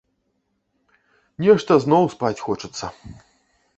Нешта зноў спаць хочацца.